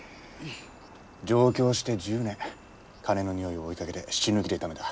上京して１０年金のにおいを追いかけて死ぬ気でためた。